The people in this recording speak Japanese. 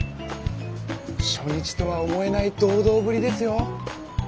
初日とは思えない堂々ぶりですよ。